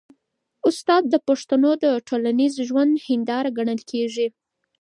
استاد د پښتنو د ټولنیز ژوند هنداره ګڼل کېږي.